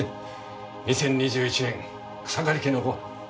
２０２１年草刈家のごはん。